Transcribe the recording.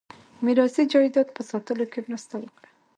میراثي جایداد په ساتلو کې مرسته وکړه.